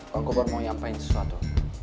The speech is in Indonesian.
bang kobar mau nyampai sesuatu